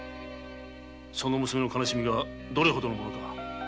その娘の悲しみがどれほどのものか。